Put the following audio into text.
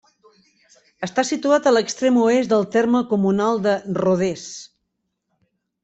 Està situat a l'extrem oest del terme comunal de Rodès.